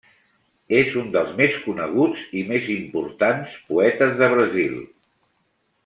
És un dels més coneguts i més importants poetes de Brasil.